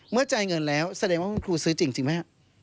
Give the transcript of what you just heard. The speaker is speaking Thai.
จ่ายเงินแล้วแสดงว่าคุณครูซื้อจริงไหมฮะ